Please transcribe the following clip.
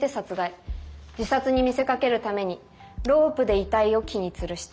自殺に見せかけるためにロープで遺体を木につるした。